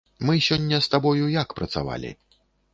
Мы сёння з табою як працавалі?